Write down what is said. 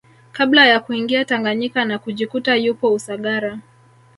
Kabla ya kuingia Tanganyika na kujikuta yupo Usagara